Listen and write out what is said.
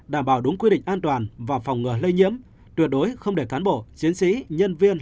đảm bảo đúng quy định an toàn và phòng ngừa lây nhiễm tuyệt đối không để cán bộ chiến sĩ nhân viên